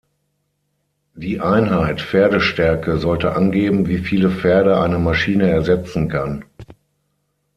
Die Einheit Pferdestärke sollte angeben, wie viele Pferde eine Maschine ersetzen kann.